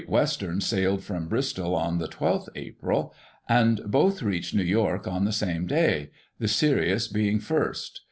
41 Western sailed from Bristol on the 12th April, and both reached New York on the same day, the Sirius being first.